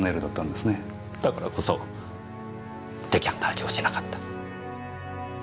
だからこそデカンタージュをしなかった。